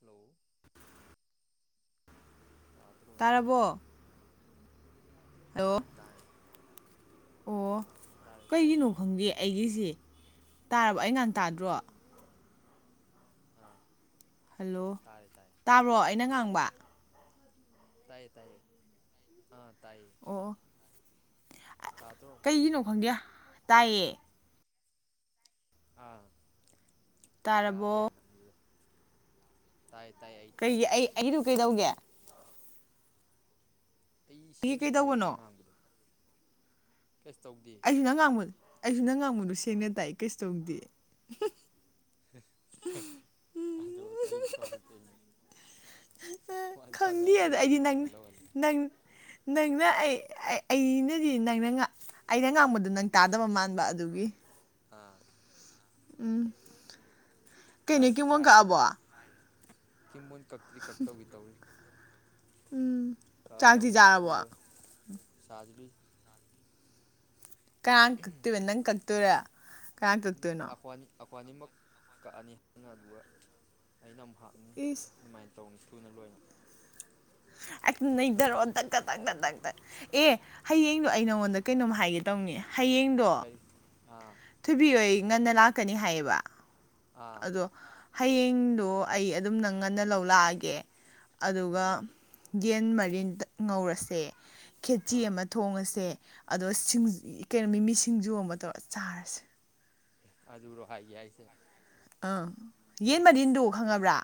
Hello ꯇꯥꯔꯕꯣ hello ꯑꯥ ꯇꯥꯏꯦ ꯑꯣ ꯀꯩꯒꯤꯅꯣ ꯈꯪꯗꯦ ꯑꯩꯒꯤꯁꯦ ꯇꯥꯔꯕ ꯑꯩ ꯉꯍ ꯇꯥꯗ꯭ꯔꯣ ꯑꯥ ꯍꯜꯂꯣ ꯇꯥꯔꯦ ꯇꯥꯔꯦ ꯇꯥꯕ꯭ꯔꯣ ꯑꯩꯅ ꯉꯥꯡꯕ ꯇꯥꯏꯌꯦ ꯇꯥꯏꯌꯦ ꯑ ꯑꯣ ꯇꯥꯗ꯭ꯔꯣ ꯀꯩꯒꯤꯅꯣ ꯈꯪꯒꯦ ꯇꯌꯦ ꯑꯥ ꯌꯥꯗ꯭ꯔꯦ ꯇꯥꯔꯕꯣ ꯅꯪꯒꯤ ꯇꯥꯏ ꯇꯥꯏ ꯑꯩ ꯇꯥꯏ ꯀꯩꯒꯤ ꯑꯩ ꯑꯩꯗꯨ ꯀꯩꯗꯧꯒꯦ ꯑꯩ ꯑꯩꯒꯤ ꯁꯦꯡꯅ ꯇꯥꯏꯌꯦ ꯅꯪ ꯀꯩꯗꯧꯕꯅꯣ ꯉꯥꯡꯕꯗꯣ ꯀꯩꯁꯨ ꯇꯧꯗꯦ ꯑꯩꯁꯨ ꯅꯪ ꯉꯥꯡꯕꯗ ꯑꯩꯁꯨ ꯅꯪ ꯉꯥꯡꯕꯗꯨ ꯁꯦꯡꯅ ꯇꯥꯏ ꯀꯩꯁꯨ ꯇꯧꯗꯦ [inaudible] ꯑꯗꯣ ꯀꯩ ꯀꯃꯥꯏ ꯇꯧꯔꯤꯅꯣ ꯋꯥꯔꯤ ꯈꯪꯗꯦ ꯁꯥꯟꯅꯔ ꯂꯩꯌꯦ ꯑꯩꯗꯤ ꯑꯩꯉꯣꯟꯗ ꯅꯪ ꯍꯜꯂꯣ ꯍꯜꯂꯣ ꯅꯪ ꯅꯪꯅ ꯑꯩ ꯑꯩꯅꯗꯤ ꯅꯪꯅ ꯑꯩꯅ ꯉꯥꯡꯕꯗꯣ ꯅꯪ ꯇꯥꯗꯕ ꯃꯥꯟꯕ ꯑꯗꯨꯒꯤ ꯑꯥ ꯎꯝ ꯀꯩ ꯈꯥꯏ ꯅꯩ ꯀꯤꯡꯕꯣꯟ ꯀꯛꯑꯕꯣ ꯀꯤꯡꯕꯣꯟ ꯀꯛꯇ꯭ꯔꯤ ꯀꯛꯇꯧꯒꯤ ꯇꯧꯔꯤ ꯎꯝ ꯀꯛꯑꯗꯧꯅꯤꯗ ꯀꯨꯏꯔꯣꯏ ꯆꯥꯗꯔꯤ ꯀꯅꯥ ꯀꯛꯇꯣꯏꯕ ꯅꯪ ꯀꯛꯇꯣꯏꯔꯣ? ꯀꯥꯅ ꯀꯛꯇꯣꯏꯅꯣ ꯑꯩꯈꯣꯟ ꯑꯅꯤꯃꯛ ꯀꯛꯑꯅꯤ ꯑꯗꯨꯒ ꯑꯩꯅ ꯑꯃꯨꯛ ꯍꯥꯞꯅꯤ ꯏꯁ ꯑꯗꯨꯃꯥꯏ ꯇꯧꯅꯤ ꯊꯨꯅ ꯂꯣꯏꯅ [inaudible] ꯍꯦꯛꯇ ꯅꯩ ꯈꯔ ꯗꯔꯣ ꯊꯨꯅ ꯀꯗ ꯗꯛ ꯗꯛ ꯑꯦ ꯍꯌꯦꯡꯗꯣ ꯑꯩ ꯅꯉꯣꯟꯗ ꯀꯩꯅꯣꯝ ꯍꯥꯏꯒꯦ ꯇꯧꯅꯤ ꯍꯌꯦꯡꯗꯣ ꯀꯔꯤ ꯑꯥ ꯊꯣꯏꯕꯤꯍꯣꯏ ꯉꯟꯅ ꯂꯥꯛꯀꯅꯤ ꯍꯥꯏꯌꯦꯕ ꯑꯥ ꯑꯗꯣ ꯍꯌꯦꯡꯗꯣ ꯑꯩ ꯑꯗꯨꯝ ꯅꯪ ꯉꯟꯅꯥ ꯂꯧ ꯂꯥꯑꯒꯦ ꯑꯗꯨꯒ ꯑꯥ ꯌꯦꯟ ꯃ ꯔꯤꯟꯇꯠ ꯉꯧꯔꯁꯦ ꯈꯦꯆꯤ ꯑꯥ ꯑꯃ ꯊꯣꯡꯉꯁꯦ ꯑꯗꯣ ꯁꯤꯡ ꯀꯩꯅꯣ ꯃꯤꯃꯤ ꯁꯤꯡꯖꯨ ꯑꯃ ꯇꯧꯕ ꯆꯥꯔꯁꯦ ꯑꯗꯨꯔꯣ ꯍꯥꯒꯦ ꯌꯥꯏꯖꯦ ꯑꯥ ꯌꯦꯟ ꯃꯔꯤꯟꯗꯨ ꯈꯪꯉꯕ꯭ꯔꯥ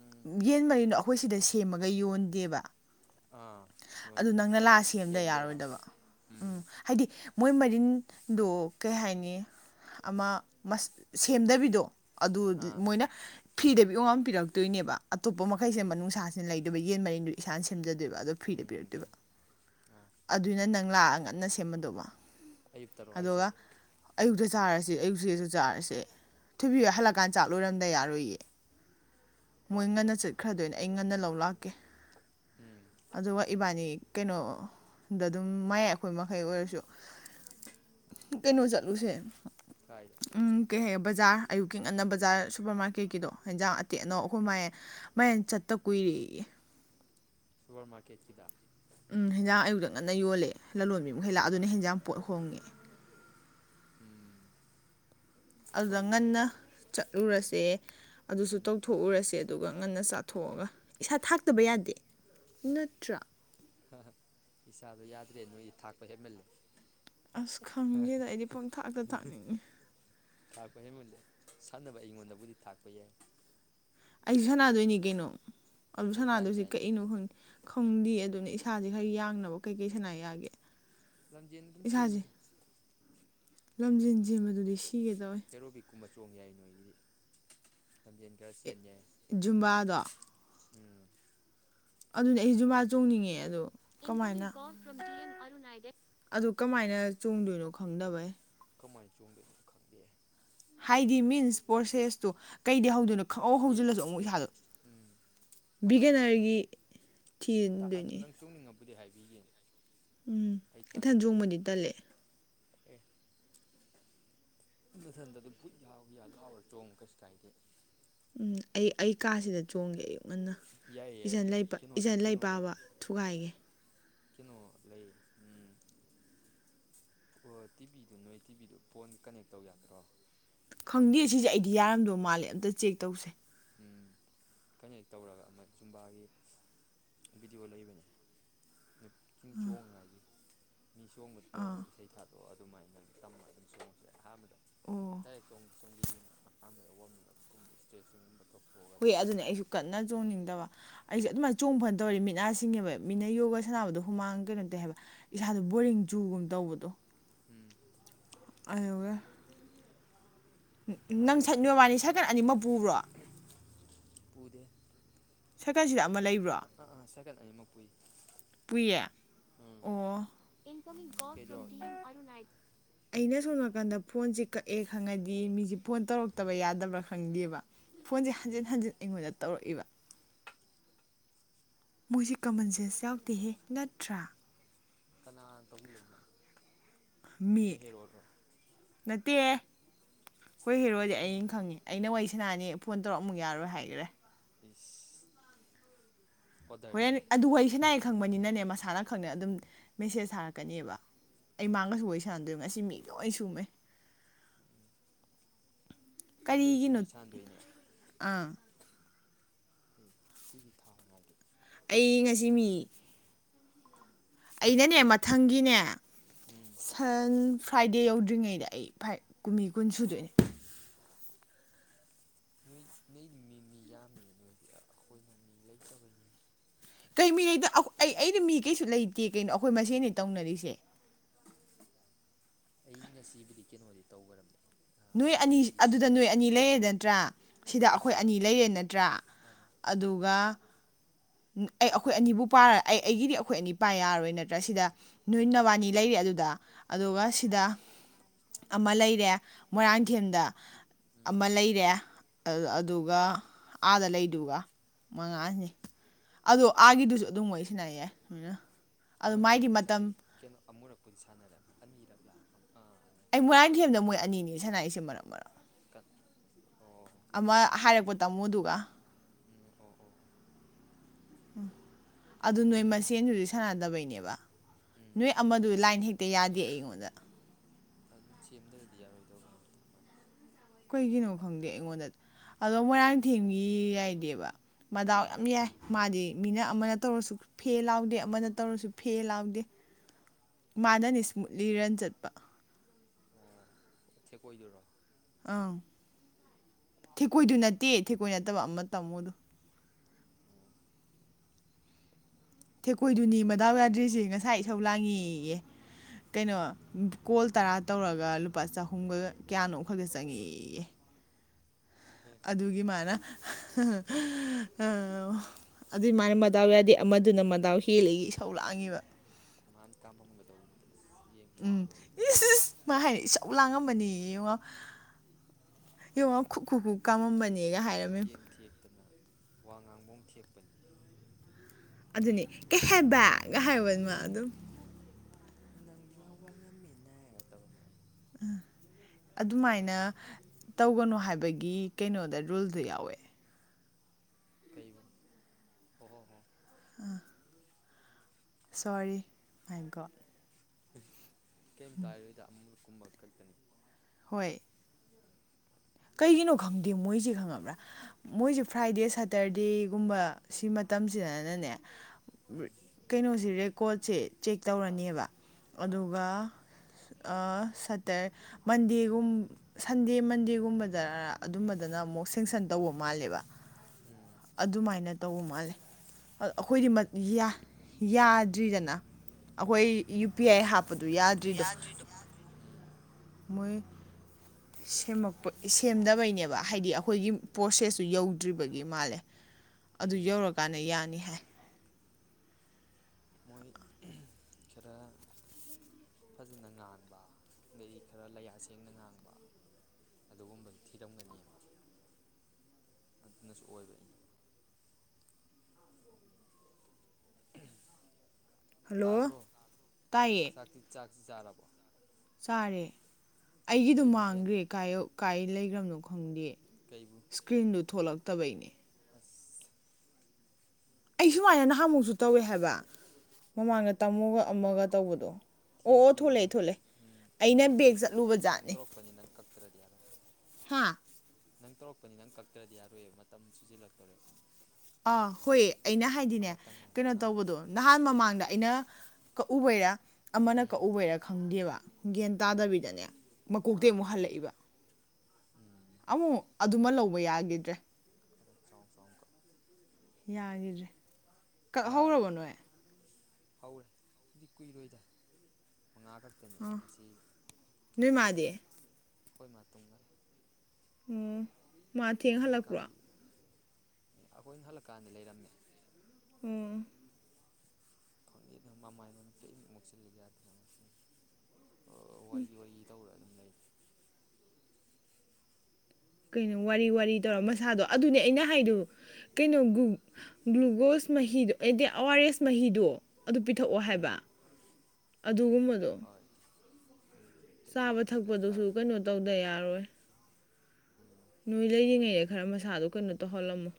ꯎꯝ ꯌꯦꯟ ꯃꯔꯤꯟ ꯈꯣꯏ ꯁꯤꯗ ꯁꯦꯝꯃꯒ ꯌꯣꯟꯗꯦꯕ ꯑꯥ ꯑꯗꯨ ꯌꯣꯟꯗꯦ ꯅꯪꯅ ꯂꯥꯛꯑ ꯁꯦꯝꯗ ꯌꯥꯔꯣꯏꯗꯕ ꯎꯝ ꯍꯥꯏꯗꯤ ꯃꯣꯏ ꯃꯔꯤꯟ ꯑꯗꯣ ꯀꯩ ꯍꯥꯏꯅꯤ ꯑꯃ ꯁꯦꯝꯗꯕꯤꯗꯣ ꯑꯗꯨ ꯑꯥ ꯃꯣꯏꯅ ꯐꯔꯤꯗ ꯌꯣꯝꯃ ꯄꯤꯔꯛꯇꯣꯏꯅꯦꯕ ꯑꯇꯣꯞꯄ ꯃꯈꯩꯁꯦ ꯎꯝ ꯃꯅꯨꯡꯁꯥꯁꯦ ꯂꯩꯗꯣꯏꯕ ꯌꯦꯟ ꯃꯔꯤꯟꯅ ꯏꯁꯥꯅ ꯁꯦꯝꯖꯗꯣꯏꯕ ꯐ꯭ꯔꯤꯗ ꯎꯝ ꯄꯤꯔꯛꯇꯣꯏꯕ ꯒ꯭ꯌꯥꯟ ꯑꯥ ꯑꯗꯨꯅ ꯅꯪ ꯂꯥꯛꯑꯒ ꯅꯪꯅ ꯁꯦꯝꯃꯗꯧꯕ ꯑꯌꯨꯛꯇꯔꯣ ꯍꯥꯏꯁꯦ ꯑꯗꯨꯒ ꯑꯌꯨꯛꯇ ꯆꯥꯔꯁꯤ ꯑꯌꯨꯛꯁꯤ ꯆꯥꯔꯁꯦ ꯊꯣꯏꯕꯤ ꯍꯣꯏ ꯑꯣ ꯍꯜꯂꯛꯀꯥꯟꯗ ꯆꯥꯛ ꯂꯣꯏꯔꯝꯗꯥ ꯌꯥꯔꯣꯏꯌꯦ ꯃꯣꯏ ꯍꯣꯏ ꯍꯣꯏ ꯉꯟꯅ ꯆꯠꯈ꯭ꯔꯗꯣꯏꯅꯦ꯫ ꯑꯩ ꯉꯟꯅ ꯂꯧ ꯂꯥꯛꯀꯦ ꯎꯝ ꯑꯗꯨꯒ ꯏꯕꯥꯅꯤ ꯀꯩꯅꯣꯗ ꯑꯗꯨꯝ ꯃꯌꯥꯏ ꯑꯩꯈꯣꯏ ꯃꯈꯩ ꯑꯣꯏꯔꯁꯨ ꯀꯩꯅꯣ ꯆꯠꯂꯨꯁꯦ ꯀꯥꯏꯗ ꯎꯝ [unintelligible] ꯕꯖꯥꯔ ꯑꯌꯨꯛꯀꯤ ꯉꯟꯅ ꯕꯖꯥꯔ ꯁꯨꯄꯔ ꯃꯥꯔꯀꯦꯠꯀꯤꯗꯣ ꯍꯦꯟꯖꯥꯡ ꯑꯇꯦꯛ ꯑꯅꯧ ꯑꯩꯈꯣꯏ ꯃ ꯃꯦꯟꯟ ꯆꯠꯇ ꯀꯨꯏꯔꯦꯌꯦ ꯁꯨꯄꯔ ꯃꯥꯔꯀꯦꯠꯀꯤꯗ ꯎꯝ ꯍꯦꯟꯖꯥꯡ ꯑꯌꯨꯛꯇ ꯉꯟꯅ ꯌꯣꯜꯂꯦ ꯂꯂꯣꯟꯕꯤ ꯃꯈꯩ ꯎꯝ ꯂꯥꯛꯑ ꯑꯗꯨꯅ ꯍꯦꯟꯖꯥꯡ ꯄꯣꯠ ꯍꯣꯡꯉꯦ ꯎꯝ ꯑꯗꯨꯗ ꯍꯣꯏ ꯉꯟꯅ ꯌꯦꯡꯉ ꯆꯠ ꯇꯨꯔꯁꯦ ꯑꯗꯨꯁꯨ ꯎꯝ ꯇꯧꯊꯣꯛꯎꯔꯁꯦ꯫ ꯑꯗꯨꯒ ꯉꯟꯅ ꯆꯥꯊꯣꯛꯑꯒ ꯏꯁꯥ ꯊꯥꯛꯇꯕ ꯌꯥꯗꯦ ꯅꯠꯇ꯭ꯔꯥ ꯍꯥꯍꯥ ꯏꯁꯥꯗꯣ ꯌꯥꯗ꯭ꯔꯦ ꯅꯣꯏ ꯊꯥꯛꯄ ꯍꯦꯃꯜꯂꯦ ꯑꯁ ꯈꯪꯗꯦꯗ ꯑꯩꯗꯤ ꯄꯪꯊꯥꯛꯇ ꯊꯛꯅꯤꯡꯉꯤ ꯊꯥꯛꯄ ꯍꯦꯟꯃꯜꯂꯦ ꯁꯥꯟꯅꯕ ꯑꯩꯉꯣꯟꯗꯕꯨꯗꯤ ꯊꯥꯛꯄ ꯌꯥꯏ꯫ ꯑꯩꯁꯨ ꯁꯥꯟꯅꯗꯣꯏꯅꯤ ꯀꯩꯅꯣ ꯅꯪ ꯑꯗꯨ ꯀꯩ ꯁꯥꯟꯅꯤ ꯁꯅꯥꯗꯨꯁꯤ ꯍꯥꯏꯅꯣ ꯀꯩꯅꯣ ꯈꯪ ꯈꯪꯗꯦ ꯑꯗꯨꯅꯦ ꯁꯥꯁꯦ ꯈꯔ ꯌꯥꯡꯅꯕ ꯀꯩ ꯀꯩ ꯁꯥꯟꯅꯥ ꯌꯥꯒꯦ ꯂꯝꯖꯦꯟꯗꯨꯝ ꯏꯁꯥꯁꯦ ꯆꯦꯜꯂꯨꯗ ꯂꯝꯖꯦꯟ ꯆꯦꯟꯕꯗꯨꯗꯤ ꯁꯤ ꯏꯒꯦ ꯇꯧꯏ ꯀꯨꯝꯃ ꯆꯣꯡ ꯌꯥꯏ ꯅꯣꯏꯗꯤ ꯂꯝꯖꯦꯟ ꯈꯔ ꯆꯦꯟ ꯌꯥꯏ ꯨꯖꯨꯝꯕꯥꯗꯣ ꯎꯝ ꯑꯗꯨꯅꯦ ꯑꯩ ꯖꯨꯃꯥ ꯆꯣꯡꯅꯤꯡꯉꯦ ꯑꯗꯣ ꯀꯃꯥꯏꯅ ꯑꯗꯨ ꯀꯃꯥꯏꯅ ꯆꯣꯡꯗꯣꯏꯅꯣ ꯈꯪꯗꯕꯩ ꯀꯃꯥꯏ ꯆꯣꯡꯗꯣꯏꯅꯣ ꯈꯪꯗꯦ ꯍꯥꯏꯗꯤ ꯃꯤꯟꯁ ꯄꯣꯔꯁꯦꯁꯇꯣ ꯀꯩꯗꯤ ꯍꯧꯗꯣꯅꯣ ꯈꯪꯍꯎ ꯏꯁꯇꯦꯞ ꯇꯨ ꯍꯧꯖꯤꯜꯂꯁꯨ ꯑꯃꯨꯛ ꯏꯁꯇꯦꯞ ꯏꯁꯥꯗꯣ ꯎꯝ ꯑꯍꯥꯟꯕꯗ ꯕꯤꯒꯅꯔꯒꯤ ꯊꯤꯗꯣꯏꯅꯤ [unintelligible] ꯍꯥꯏꯕꯤꯒꯦ ꯎꯝ ꯏꯊꯟ ꯆꯣꯡꯕꯗꯤ ꯇꯜꯂꯦ ꯑꯦ ꯃꯊꯟꯗ ꯑꯗꯨ ꯕꯨꯨꯠ ꯌꯥꯎ ꯂꯥꯎꯔ ꯆꯣꯡꯉ ꯀꯩꯁꯨ ꯀꯥꯏꯗꯦ ꯎꯝ ꯑꯩ ꯑꯩ ꯀꯥꯁꯤꯗ ꯆꯣꯡꯒꯦ ꯑꯩꯌꯨꯛ ꯉꯟꯅ ꯌꯥꯏꯌꯦ ꯌꯥꯏꯌꯦ ꯏꯖꯟ ꯂꯥꯏ ꯀꯩꯅꯣ ꯏꯖꯟ ꯀꯩꯅꯣ ꯂꯥꯏꯔꯤꯛ ꯂꯩ ꯄꯥꯕ ꯊꯨꯒꯥꯏꯒꯦ ꯀꯩꯅꯣ ꯂꯩ ꯎ ꯇꯤꯚꯤꯗꯨ ꯅꯣꯏ ꯇꯤꯚꯤꯗꯨ ꯐꯣꯟ ꯀꯅꯦꯛ ꯇꯧ ꯌꯥꯗ꯭ꯔꯣ ꯈꯪꯗꯦ ꯁꯤꯁꯦ ꯑꯩꯗꯤ ꯌꯥꯔꯝꯗꯣꯏ ꯃꯥꯜꯂꯦ ꯑꯝꯇ ꯆꯦꯛ ꯇꯧꯁꯦ ꯎ ꯀꯩꯅꯣ ꯇꯧꯔꯒ ꯑꯃ ꯖꯨꯝꯕꯥꯒꯤ ꯚꯤꯗꯤꯑꯣ ꯂꯩꯕꯅꯦ ꯁꯨꯝ ꯆꯣꯡꯉꯉꯥꯏꯒꯤ ꯃꯤ ꯆꯣꯡꯕꯗ ꯑꯥ ꯇꯧꯔꯒ ꯏꯁꯩ ꯊꯥ ꯑꯗꯣ ꯑꯗꯨꯃꯥꯏꯅ ꯇꯅ ꯑꯗꯨꯝ ꯁꯣꯡꯁꯦ ꯑꯍꯥꯟꯕꯗ ꯑꯣ ꯇꯥꯏ ꯆꯣꯡ ꯇꯣꯝꯒꯤꯂꯨꯣ ꯑꯍꯥꯟꯕꯗ ꯋꯥꯔꯃꯤꯡ ꯑꯞꯀꯨꯝꯕ ꯏꯁꯇꯦꯁ ꯍꯨꯏ ꯑꯗꯨꯅꯦ ꯑꯩꯁꯨ ꯀꯟꯅ ꯆꯣꯡꯅꯤꯡꯗꯕ ꯑꯩꯁꯦ ꯎꯝ ꯑꯗꯨꯃꯥꯏꯅ ꯆꯣꯡ ꯐꯅ ꯇꯧꯔꯤꯦ ꯃꯤꯠꯅꯥꯁꯤ ꯆꯤꯡꯉꯦꯕ ꯃꯤꯅ ꯌꯣꯒꯥ ꯁꯥꯟꯅꯕꯗꯣ ꯍꯨꯃꯥꯡ ꯀꯩꯅꯣ ꯇꯩ ꯍꯥꯏꯕ ꯏꯁꯥꯗꯣ ꯎꯝ ꯕꯣꯔꯤꯡ ꯖꯨꯒꯨꯝ ꯇꯧꯕꯗꯣ ꯎꯝ ꯑꯦ ꯅꯪ ꯑꯍꯥꯟꯕꯗꯤ ꯈꯪꯆꯣꯡ ꯅꯣꯏꯕꯥꯅꯤ ꯁꯥꯏꯀꯠ ꯑꯅꯤꯃꯛ ꯄꯨꯕ꯭ꯔꯣ ꯄꯨꯗꯦ ꯁꯔꯀꯔꯁꯤꯗ ꯑꯃ ꯂꯩꯕ꯭ꯔꯣ ꯑꯥ ꯑꯥ ꯑꯥ ꯑꯥ ꯁꯥꯏꯀꯜ ꯑꯅꯤꯃꯛ ꯄꯨꯏ ꯄꯌꯥ ꯎꯝ ꯑꯣ ꯀꯩꯗꯧꯔꯒꯦ ꯏ ꯑꯩꯅ ꯁꯣꯝ ꯅꯥꯀꯥꯟꯗ ꯐꯣꯟꯁꯤꯦ ꯀ ꯑꯦ ꯈꯪꯉꯗꯤ ꯃꯤꯁꯦ ꯐꯣꯟ ꯇꯧꯔꯛꯇꯕ ꯌꯥꯗꯕ꯭ꯔꯥ ꯈꯪꯗꯦꯕ ꯐꯣꯟꯁꯦ ꯍꯟꯖꯤꯟ ꯎꯝ ꯍꯟꯖꯤꯟ ꯑꯩꯉꯣꯟꯗ ꯇꯧꯔꯛꯏꯕ ꯃꯣꯏꯁꯤ ꯀꯃꯟ ꯁꯦꯟꯁ ꯌꯥꯎꯗꯦꯍꯦ ꯅꯠꯇ꯭ꯔꯥ ꯀꯅꯥ ꯇꯧꯕꯤ ꯂꯩꯅ ꯅꯣꯏ ꯍꯦꯔꯣꯔꯣ ꯄꯦ ꯍꯣꯏ ꯍꯦꯔꯣꯗꯤ ꯍꯩꯖꯤꯟ ꯑꯩꯅ ꯈꯪꯉꯤ ꯑꯩꯅ ꯋꯥ ꯁꯥꯅꯅꯤ ꯐꯣꯟ ꯇꯧꯔꯛꯃꯨꯛ ꯌꯥꯔꯣꯏ ꯍꯥꯏꯈꯔꯦ꯫ ꯏꯁ ꯍꯣꯔꯦꯟ ꯑꯣꯗꯔꯅꯤꯅꯦ ꯑꯗꯨ ꯋꯥꯔꯤ ꯁꯥꯅꯩ꯫ ꯈꯪꯕꯅꯤꯅꯅꯦ ꯃꯁꯥꯅ ꯈꯪꯗꯅ ꯑꯗꯨꯝ ꯃꯦꯁꯦꯁ ꯊꯥꯔꯛꯀꯅꯤꯕ ꯑꯩ ꯑꯥ ꯃꯥꯡꯒꯁꯨ ꯋꯥꯔꯤ ꯁꯥꯟꯅꯝꯗꯣꯏ ꯉꯁꯤ ꯃꯤ ꯂꯣꯏ ꯁꯨꯃꯩ꯫ ꯎꯝ ꯃꯤ ꯂꯣꯏ ꯀꯔꯤꯒꯤꯅꯣ ꯁꯨꯃꯩ ꯁꯥꯟꯗꯣꯏꯅꯦ ꯑꯥ ꯐꯩ ꯐꯁꯤ ꯊꯥꯅꯉꯥꯏꯗꯤ ꯑꯩ ꯉꯁꯤ ꯃꯤ ꯑꯩꯅꯅꯦ ꯃꯊꯪꯒꯤꯅꯦ ꯎꯝ ꯁꯟ ꯐ꯭ꯔꯥꯏꯗꯦ ꯌꯧꯗ꯭ꯔꯤꯉꯩꯗ ꯑꯩꯥ ꯀꯨꯝꯃꯤ ꯀꯨꯟ ꯁꯨꯗꯣꯏꯅꯤ ꯅꯣꯏ ꯅꯣꯏ ꯃꯤ ꯃꯤ ꯌꯥꯝꯃꯤ ꯅꯣꯏꯗꯤ ꯑꯩꯈꯣꯏꯅ ꯃꯤ ꯂꯩꯇꯕꯅꯤꯅꯦ ꯀꯩ ꯃꯤꯂꯩꯇ ꯑꯧ ꯑꯩ ꯑꯩꯩꯗꯤ ꯃꯤ ꯀꯩꯁꯨ ꯂꯩꯇꯦ ꯀꯩꯅꯣ ꯑꯩꯈꯣꯏ ꯃꯁꯦꯟꯅꯤ ꯇꯧꯅꯔꯤꯁꯦ꯫ ꯑꯩ ꯉꯁꯤꯕꯨꯗꯤ ꯀꯩꯅꯣꯗꯤ ꯇꯧꯒ꯭ꯔꯝꯅꯤ ꯅꯣꯏ ꯑꯅꯤ ꯑꯗꯨꯗ ꯅꯣꯏ ꯑꯅꯤ ꯂꯩꯔꯦ ꯅꯠꯇ꯭ꯔꯥ ꯁꯤꯗ ꯑꯩꯈꯣꯏ ꯎꯝ ꯑꯅꯤ ꯂꯩꯔꯦ ꯅꯠꯇ꯭ꯔꯥ ꯑꯥ ꯑꯗꯨꯒ ꯑꯩ ꯑꯩꯈꯣꯏ ꯑꯅꯤꯕꯨ ꯄꯥꯔ ꯑꯩ ꯑꯩꯒꯤꯗꯤ ꯑꯩꯈꯣꯏ ꯑꯅꯤ ꯄꯥ ꯌꯥꯔꯣꯏ ꯅꯠꯇ꯭ꯔꯥ ꯁꯤꯗ ꯅꯣꯏ ꯎꯝ ꯅꯕꯥꯅꯤ ꯂꯩꯔꯦ ꯑꯗꯨꯗ ꯑꯗꯨꯒ ꯁꯤꯗ ꯑꯃ ꯂꯩꯔꯦ ꯃꯣꯏꯔꯥꯡꯊꯦꯝꯗ ꯎꯝ ꯑꯃ ꯂꯩꯔꯦ ꯑꯗꯨ ꯎꯝ ꯑꯗꯨꯒ ꯑꯥꯗ ꯂꯩꯗꯨꯒ ꯃꯉꯥꯅꯤ ꯑꯗꯣ ꯑꯥꯒꯤꯗꯨꯁꯨ ꯑꯗꯨꯝ ꯋꯥꯔꯤ ꯁꯥꯟꯅꯥ ꯌꯥꯏ ꯅꯣꯏꯅ ꯃꯣꯊꯦꯝ ꯁꯥꯏꯁꯤ ꯀꯩꯅꯣ ꯑꯃꯨꯔꯛ ꯁꯥꯟꯅꯔꯝ ꯑꯅꯤꯔꯛ ꯂꯥ ꯑ ꯑꯩ ꯃꯣꯏꯔꯥꯡꯊꯦꯝꯗ ꯃꯣꯏ ꯑꯅꯤꯅꯤ ꯁꯅꯥꯏꯁꯦ ꯃꯔꯛ ꯃꯔꯛ ꯀꯠ ꯑꯣ ꯑꯃ ꯍꯥꯏꯔꯛꯄ ꯇꯥꯃꯣꯗꯨꯒ ꯎꯝ ꯑꯣ ꯑꯣ ꯎꯝ ꯑꯗꯨ ꯑꯩ ꯅꯣꯏ ꯃꯁꯦꯟ ꯁꯥꯟꯅꯗꯕꯩꯅꯦꯕ ꯎꯝ ꯅꯣꯏ ꯑꯃꯗꯨ ꯂꯥꯏꯟ ꯍꯦꯛ ꯌꯥꯗꯦ ꯑꯩꯉꯣꯟꯗ ꯑꯗꯨꯝ ꯁꯦꯝꯗ꯭ꯔꯗꯤ ꯌꯥꯔꯣꯏꯗꯧꯕꯒꯤ ꯑꯝꯇ ꯃꯥꯏ ꯀꯩꯒꯤꯅꯣ ꯈꯪꯗꯦ ꯑꯩꯉꯣꯟꯗ ꯑꯗꯣ ꯃꯣꯏꯔꯥꯡꯊꯦꯝꯒꯤ ꯌꯥꯏꯗꯤꯕ ꯃꯗꯥꯎ ꯎꯝ ꯌꯥꯝ ꯌꯥꯏ ꯃꯥꯗꯤ ꯃꯤꯅ ꯑꯃꯅ ꯇꯧꯔꯁꯨ ꯐꯦ ꯂꯥꯎꯗꯦ ꯑꯃꯅ ꯇꯧꯔꯁꯨ ꯐꯦ ꯂꯥꯎꯗꯦ ꯃꯥꯅꯅꯤ ꯏꯁꯃꯨꯠꯂꯤ ꯔꯟ ꯆꯠꯄ ꯊꯦꯛ ꯀꯣꯏꯗꯨꯔꯣ ꯑꯪ ꯊꯦꯀꯣꯏꯗꯨ ꯅꯠꯇꯦ ꯊꯦꯛꯀꯣꯏ ꯅꯠꯇꯕ ꯑꯃ ꯇꯥꯃꯣꯗꯣ꯫ ꯎꯝ ꯊꯦꯛꯀꯣꯏꯗꯨꯅꯤ ꯃꯗꯥꯎ ꯌꯥꯗ꯭ꯔꯤꯁꯤ ꯉꯁꯥꯏ ꯏꯁꯧ ꯂꯥꯡꯉꯤꯌꯦ ꯀꯩꯅꯣ ꯀꯣꯜ ꯇꯔꯥ ꯇꯧꯔꯒ ꯂꯨꯄꯥ ꯆꯍꯨꯝꯒ ꯀꯌꯥꯅꯣ ꯈꯛꯇ ꯆꯪꯉꯌꯦ꯫ ꯑꯗꯨꯒꯤ ꯃꯥꯅ ꯑꯗꯨꯏꯃꯥꯏ ꯃꯗꯥꯎ ꯌꯥꯗꯦ ꯑꯃꯗꯨꯅ ꯃꯗꯥꯎ ꯍꯦꯜꯂꯦꯌꯦ ꯏꯁꯧ ꯂꯥꯡꯉꯤꯕ꯫ ꯃꯥꯥꯅ ꯀꯥꯝꯃꯒꯗꯧꯗꯤ꯫ ꯑꯁ ꯌꯦꯡ ꯅꯨꯡꯉꯥꯏꯕꯅꯦ ꯑꯗꯨ ꯃꯤꯗꯣ ꯀꯨꯂꯥꯡ ꯑꯃꯅꯦ ꯌꯦꯡꯉꯣ ꯌꯦꯡꯉꯣ ꯈꯨ ꯈꯨ ꯈꯨꯨ ꯀꯥꯝꯃꯝꯕꯅꯤ꯫ ꯊꯦꯛ ꯊꯦꯛ ꯇꯅ ꯋꯥ ꯉꯥꯡꯕꯣꯡ ꯊꯦꯛꯄꯅꯦ ꯑꯗꯨꯅꯤ ꯀꯩ ꯍꯥꯏꯕꯒ ꯍꯥꯏꯕꯅꯦ ꯃꯥ ꯑꯗꯨꯝ꯫ ꯅꯪꯗꯤ ꯌꯥꯝ ꯋꯥꯡꯉꯝꯃꯦꯅ ꯇꯧꯔꯝꯕꯅꯤ꯫ ꯎꯝ ꯑꯗꯨꯃꯥꯏꯅ ꯊꯦꯡꯅ ꯇꯧꯒꯅꯨ ꯍꯥꯏ ꯃꯣꯏꯒꯤ ꯀꯩꯅꯣꯗ ꯔꯨꯜꯁꯨ ꯌꯥꯎꯋꯦ꯫ ꯀꯩ ꯑꯣ ꯍꯣ ꯍꯣ ꯑ ꯁꯣꯔꯤ ꯑꯥꯏꯀꯣ ꯀꯩꯝ ꯀꯥꯏꯔꯣꯏꯗ ꯀꯨꯝꯃ ꯈꯠꯇꯅꯤ ꯍꯣꯏ ꯀꯩꯒꯤꯅꯣ ꯈꯪꯗꯦ ꯃꯣꯏꯁꯤ ꯈꯪꯉꯕ꯭ꯔꯥ ꯃꯣꯏꯁꯤ ꯐ꯭ꯔꯥꯏꯗꯦ ꯁꯇꯔꯗꯦꯒꯨꯝꯕ ꯁꯤ ꯃꯇꯝꯁꯤꯗꯅꯅꯦ ꯎꯝ ꯀꯩꯅꯣꯁꯤ ꯈ‌ꯣꯁ‌ꯦ ꯆꯦꯛ ꯑꯥ ꯇꯧꯔꯅꯤꯌ‌ꯦꯕ ꯑꯥ ꯑꯗꯨꯒ ꯑ ꯁꯇꯔ ꯃꯟꯗ‌ꯦꯒꯨꯝ ꯁꯟꯗ‌ꯦ ꯃꯟꯗ‌ꯦꯒꯨꯝꯕ ꯗꯔꯥ ꯑꯗꯨꯝꯕꯗꯅ ꯑꯃꯨꯛ ꯁꯦꯡꯁꯟ ꯇꯧꯕ ꯃꯥꯜꯂꯦꯕ ꯎꯝ ꯑꯗꯨꯃꯥꯏꯅ ꯇꯧꯕ ꯃꯥꯜꯂꯤ ꯑꯩꯈꯣꯏꯗꯤ ꯑꯣꯏꯔꯝꯒꯅꯤ [unintelligible] ꯑꯗꯨꯃꯥꯏꯅ ꯌꯥ ꯌꯥ ꯔꯤꯗꯅꯥ ꯑꯥ ꯑꯩꯈꯣꯏ ꯌꯨ ꯄꯤ ꯑꯥꯏ ꯍꯥꯞꯄꯗꯨ ꯌꯥꯗ꯭ꯔꯤꯗꯨ ꯇꯨꯌꯥ ꯎꯝ ꯃꯣꯏ ꯁꯦꯝꯃꯛꯄ ꯁꯦꯝꯗꯕꯩꯅꯦꯕ ꯍꯥꯏꯗꯤ ꯑꯩꯈꯣꯏꯒꯤ ꯄ꯭ꯔꯣꯁꯦꯁꯇꯨ ꯌꯧꯗ꯭ꯔꯤꯕꯒꯤ ꯃꯥꯜꯂꯦ ꯑꯗꯨ ꯎꯝ ꯌꯧꯔꯀꯥꯟꯗ ꯌꯥꯅꯤ ꯍꯥꯏ ꯃꯣꯏ ꯈꯔ ꯐꯖꯅ ꯉꯥꯡꯕ ꯑꯗꯩ ꯈꯔ ꯂꯌꯥ ꯁꯦꯡꯅ ꯉꯥꯡꯕ ꯑꯗꯨꯒꯨꯝꯕꯒꯤ ꯊꯤꯔꯝꯒꯅꯦꯕ ꯑꯗꯨꯅꯁꯨ ꯑꯣꯏꯕꯩꯅꯤ ꯍꯜꯂꯣ ꯇꯥꯏꯌꯦ ꯆꯥꯔꯥꯕꯣ ꯆꯔꯦ ꯑꯩꯒꯤꯗꯣ ꯃꯊꯦꯜ ꯃꯥꯡꯒ꯭ꯔꯦ ꯀꯌꯣꯛ ꯀꯥꯏ ꯂꯩꯈ꯭ꯔꯕꯅꯣ ꯈꯪꯗꯦ ꯀꯩꯕꯨ ꯏꯁꯀ꯭ꯔꯤꯟ ꯗꯨ ꯇꯕꯩꯅꯦ ꯑꯁ ꯑꯩ ꯁꯨꯃꯥꯏꯅ ꯅꯍꯥꯟꯃꯨꯛꯁꯨ ꯇꯧꯋꯦ ꯍꯥꯏꯕ ꯃꯃꯥꯡꯗꯥ ꯇꯥꯃꯣ ꯑꯃꯒ ꯇꯧꯕꯗꯣ ꯑꯣ ꯊꯤꯌꯨ ꯑꯣ ꯊꯤꯌꯨ ꯊꯣꯛꯂꯛꯑꯦ ꯅꯪ ꯊꯣꯛꯂꯛꯑꯦ ꯎ ꯑꯩꯅ ꯅꯪ ꯕꯦꯛ ꯇꯧꯔꯛꯄꯅꯤ ꯆꯠꯂꯨꯕ ꯅꯪ ꯖꯥꯠꯅꯦ ꯇꯧꯔꯛꯄꯅꯤ ꯅꯪ ꯀꯛꯇ꯭ꯔꯗꯤ ꯌꯥꯔꯣꯏ ꯍꯥ ꯅꯪ ꯇꯧꯔꯛꯄ ꯅꯪ ꯀꯛꯇ꯭ꯔꯗꯤ ꯌꯥꯔꯣꯏꯕꯥ ꯃꯇꯝ ꯁꯨꯖꯤꯜꯂꯛꯇꯧꯔꯦ ꯑꯥ ꯍꯣꯏ ꯑꯩꯅ ꯍꯥꯏꯗꯤꯅꯦ ꯑꯃꯇꯪ ꯉꯥꯏꯔꯦ ꯀꯩꯅꯣ ꯑꯥ ꯇꯧꯕꯗꯣ ꯅꯍꯥꯟ ꯃꯃꯥꯡꯗ ꯑꯩꯅ ꯀꯛꯎꯕꯩꯔ ꯑꯃꯅ ꯎꯝ ꯀꯛꯎꯕꯩꯔꯥ ꯈꯪꯗꯦꯕ ꯒꯟ ꯑꯣ ꯇꯥꯗꯕꯤꯗꯅꯦ ꯃꯀꯣꯛꯇꯤ ꯑꯥ ꯑꯃꯨꯛ ꯍꯜꯂꯛꯏꯕ ꯎꯝ ꯑꯃꯨꯛ ꯑꯗꯨꯃ ꯂꯧ ꯌꯥꯒꯤꯗ꯭ꯔꯦ ꯈꯔꯥ ꯆꯥꯎꯅ ꯆꯥꯎꯅ ꯀꯛ ꯌꯥꯈꯤꯗ꯭ꯔꯦ ꯀꯛ ꯍꯧꯔꯕꯅꯣꯢ ꯍꯥꯎꯔꯦ ꯑꯗꯨꯗꯤ ꯀꯨꯣꯏꯔꯣꯏꯗ ꯃꯉꯥ ꯈꯛꯇꯅꯦꯕ ꯑꯥ ꯉꯁꯤ ꯅꯣꯏ ꯌꯥꯝ ꯃꯥꯗꯤ ꯍꯣꯏ ꯃꯥ ꯇꯨꯡꯃꯔꯦ ꯎꯝ ꯃꯥ ꯊꯦꯡ ꯍꯜꯂꯛꯄ꯭ꯔꯣ ꯑꯩꯈꯣꯏꯅ ꯍꯜꯂꯛꯀꯥꯟꯗ ꯂꯩꯔꯝꯃꯦ ꯑꯣꯝ ꯐꯪꯉꯦ ꯑꯗꯨ ꯃꯃꯥꯏ ꯃꯃꯤꯛꯇ ꯏꯃꯛ ꯃꯛꯁꯤꯜꯂꯦ ꯌꯥꯗ꯭ꯔꯦ ꯋꯥꯔꯤꯒꯤ ꯋꯥꯔꯤꯒꯤ ꯇꯧꯔꯦ ꯑꯗꯨꯨꯝ ꯂꯩ ꯀꯩꯅꯣ ꯋꯥꯔꯤ ꯋꯥ ꯇꯧꯔ ꯃꯁꯥꯗꯣ ꯑꯗꯨꯅꯦ ꯑꯩꯅ ꯍꯥꯏꯗꯣ ꯀꯩꯅꯣ ꯒ꯭ꯂꯨꯀꯣꯁ ꯃꯍꯤꯗꯣ ꯑꯦꯗꯤ ꯑꯣ ꯑꯥꯔ ꯑꯦꯁ ꯃꯍꯤꯗꯣ ꯑꯗꯨ ꯄꯤꯊꯣꯛꯑꯣ ꯍꯥꯏꯕ ꯎꯝ ꯑꯗꯨꯒꯨꯝꯕ ꯑꯗꯨꯗꯣ ꯍꯣꯏ ꯎꯝ ꯑꯝꯇ ꯆꯥꯕ ꯌꯦꯡꯗ꯭ꯔꯗꯤ ꯊꯛꯄꯗꯨꯁꯨ ꯌꯥꯔꯣꯏ ꯀꯩꯅꯣ ꯇꯧꯗ ꯌꯥꯔꯣꯏ ꯎꯝ ꯅꯣꯏ ꯂꯩꯔꯤꯉꯩꯗ ꯈꯔ ꯃꯁꯥꯗꯣ ꯀꯩꯅꯣ ꯇꯧꯍꯜꯂꯝꯃꯣ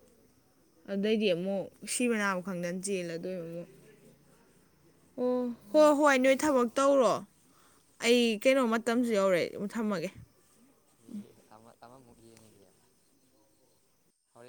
ꯎꯝ ꯑꯗꯩꯗꯤꯃꯣ ꯁꯤꯕ ꯅꯥꯕ ꯈꯪꯗꯅ ꯆꯦꯜꯂꯗꯣꯏꯕ ꯑꯣ ꯍꯣꯏ ꯍꯣꯏ ꯅꯣꯏ ꯊꯕꯛ ꯃꯥꯅꯦ ꯇꯧꯔꯣ ꯑꯩ ꯀꯩꯅꯣ ꯃꯇꯝꯁꯨ ꯑꯥ ꯌꯧꯔꯛꯑꯏ ꯑꯃꯨꯛ ꯊꯝꯃꯒꯦ ꯑꯃ ꯑꯃ ꯑꯃꯨꯛ ꯌꯦꯡꯉꯥꯒꯦ